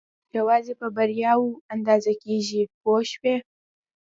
یوازې په بریاوو اندازه کېږي پوه شوې!.